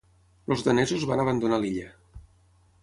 Els danesos van abandonar l'illa.